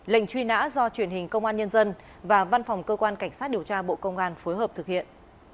lệnh truy nã do truyền hình công an nhân dân và văn phòng cơ quan cảnh sát điều tra bộ công an phối hợp thực hiện